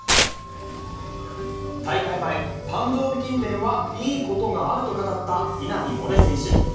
大会前、誕生日近辺はいいことがあると語った稲見萌寧選手。